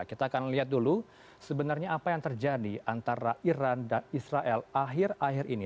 kita akan lihat dulu sebenarnya apa yang terjadi antara iran dan israel akhir akhir ini